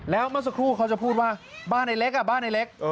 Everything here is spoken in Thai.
แล้วเมื่อสักครู่เขาจะพูดว่าบ้านในเล็กบ้านในเล็ก